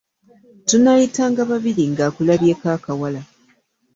Tunayitangababiri nga akulabyeko akawala .